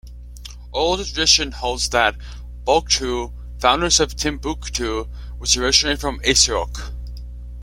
Oral tradition holds that Boctou, foundress of Timbuktu, was originally from Essouk.